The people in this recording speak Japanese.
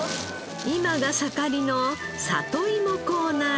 今が盛りの里いもコーナーに。